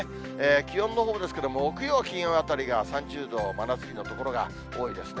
気温のほうですけれども、木曜、金曜あたりが３０度、真夏日の所が多いですね。